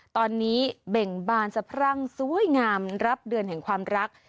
ตอนนี้เบ่งบานสะพรั่งสวยงามรับเดือนแห่งความรัก